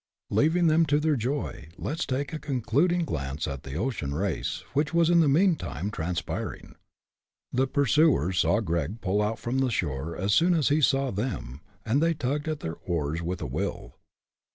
Leaving them to their joy, let us take a concluding glance at the ocean race, which was in the meantime transpiring. The pursuers saw Gregg pull out from the shore as soon as he saw them; and they tugged at their oars with a will.